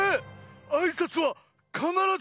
あいさつはかならず。